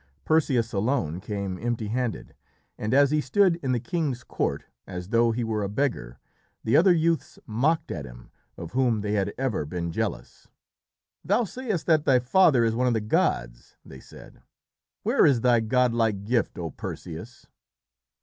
Perseus alone came empty handed, and as he stood in the king's court as though he were a beggar, the other youths mocked at him of whom they had ever been jealous. "Thou sayest that thy father is one of the gods!" they said. "Where is thy godlike gift, O Perseus!"